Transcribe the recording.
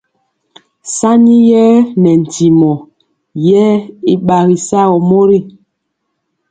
Saniyer nɛ ntimɔ ye y gbagi sagɔ mori.